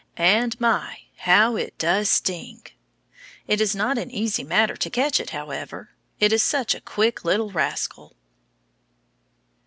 And my! how it does sting! It is not an easy matter to catch it, however, it is such a quick little rascal.